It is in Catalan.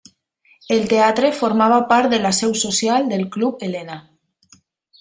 El teatre formava part de la seu social del Club Helena.